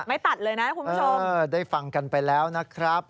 ไม่ตัดเลยนะคุณผู้ชมได้ฟังกันไปแล้วนะครับ